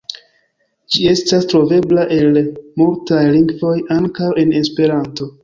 Ĝi estas trovebla en multaj lingvoj, ankaŭ en Esperanto.